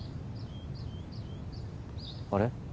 あれ？